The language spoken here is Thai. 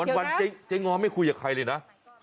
วันเจ๊ง้อไม่คุยกับใครเลยนะ